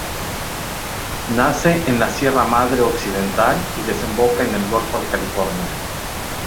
Nace en la Sierra Madre Occidental y desemboca en el golfo de California.